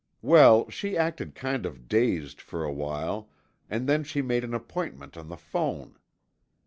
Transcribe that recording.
Well, she acted kind of dazed for a while and then she made an appointment on the phone.